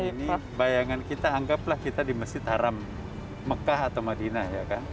ini bayangan kita anggaplah kita di mesir haram mekah atau madinah